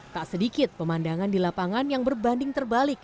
tak sedikit pemandangan di lapangan yang berbanding terbalik